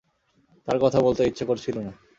তাঁর কথা বলতে ইচ্ছে করছিল না।